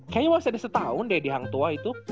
kayaknya waktu itu ada setahun deh di hang tua itu